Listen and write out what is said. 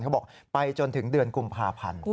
เขาบอกไปจนถึงเดือนกุมภาพันธ์